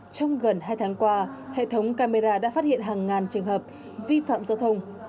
trong gần hai tháng qua hệ thống camera đã phát hiện hàng ngàn trường hợp vi phạm giao thông